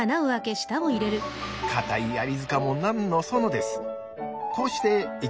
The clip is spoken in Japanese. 硬いアリ塚も何のそのです。